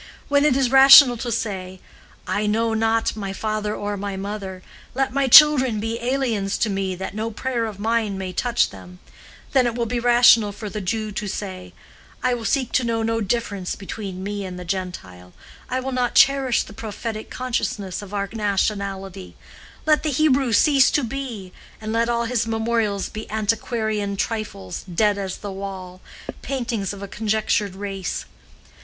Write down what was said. When it is rational to say, 'I know not my father or my mother, let my children be aliens to me, that no prayer of mine may touch them,' then it will be rational for the Jew to say, 'I will seek to know no difference between me and the Gentile, I will not cherish the prophetic consciousness of our nationality—let the Hebrew cease to be, and let all his memorials be antiquarian trifles, dead as the wall paintings of a conjectured race.